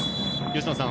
吉野さん